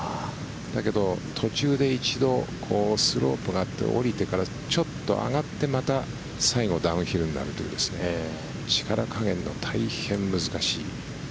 だけど、途中で一度スロープがあって下りてから、ちょっと上がってまた最後ダウンヒルになるという力加減が大変難しい。